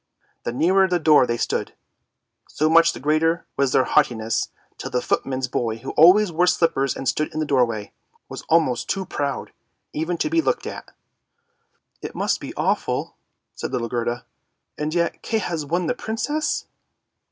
The nearer the door they stood, so much the greater was their haughti ness; till the footman's boy who always wore slippers and stood in the doorway, was almost too proud even to be looked at." " It must be awful! " said little Gerda, " and yet Kay has won the Princess!